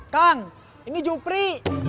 kang ini jupri